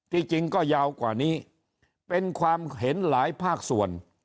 จริงก็ยาวกว่านี้เป็นความเห็นหลายภาคส่วน